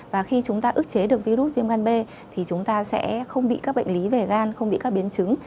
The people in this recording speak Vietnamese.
và khi chúng ta ước chế được virus viêm gan b thì chúng ta sẽ không bị các bệnh lý về gan không bị các biến chứng